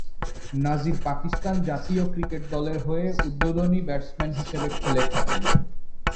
নাজির পাকিস্তান জাতীয় ক্রিকেট দলের হয়ে উদ্বোধনী ব্যাটসম্যান হিসেবে খেলে থাকেন।